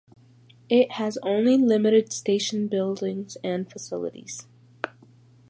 It has only limited station buildings and facilities.